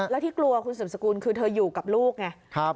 แล้วที่กลัวคุณสืบสกุลคือเธออยู่กับลูกไง